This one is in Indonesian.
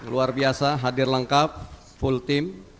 luar biasa hadir lengkap full team